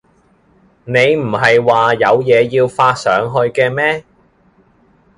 你唔喺話有嘢要發上去嘅咩？